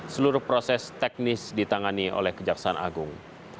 seluruh proses teknis ditangani oleh kejaksaan agung